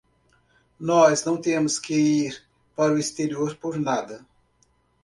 Nós não temos que ir para o exterior por nada.